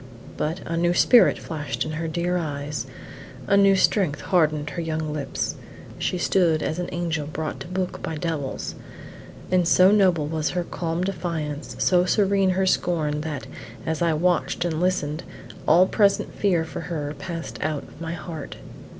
But a new spirit flashed in her dear eyes, a new strength hardened her young lips. She stood as an angel brought to book by devils; and so noble was her calm defiance, so serene her scorn, that, as I watched and listened; all present fear for her passed out of my heart.